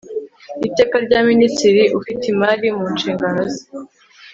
iteka rya Minisitiri ufite imari mu nshingano ze